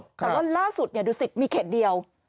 แต่ว่าล่าสุดดูสิตมีเขตเดียว